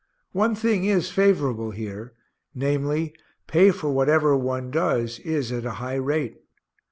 One thing is favorable here, namely, pay for whatever one does is at a high rate.